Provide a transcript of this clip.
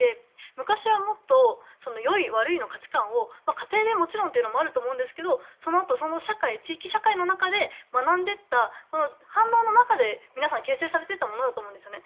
昔はもっと良い悪いの価値観を家庭でももちろんあると思いますがそのあと、地域社会で学んでいった反応の中で皆さん形成されていったものだと思うんですね。